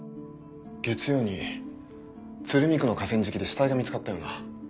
月曜に鶴見区の河川敷で死体が見つかったよな。